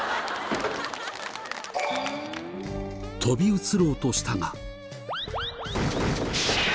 飛び移ろうとしたが。